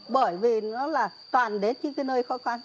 bởi vì nó là toàn đến trên cái nơi khói khoan